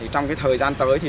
trong thời gian tới